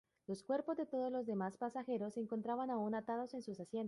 Los cuerpos de todos los demás pasajeros se encontraban aún atados en sus asientos.